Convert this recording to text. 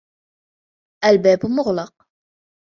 الباب مغلق.